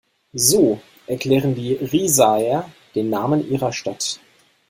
So erklären die Riesaer den Namen ihrer Stadt.